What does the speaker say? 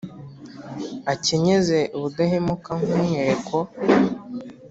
akenyeze ubudahemuka nk’umweko.